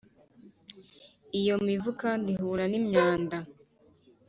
iyo mivu kandi ihura n’imyanda